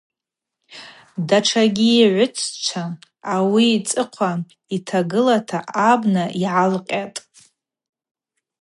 Датшагьи гӏвтшчва ауи йцӏыхъва йтагылата абна йгӏалкъьатӏ.